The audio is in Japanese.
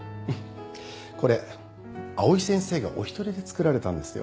これ藍井先生がお一人で作られたんですよ。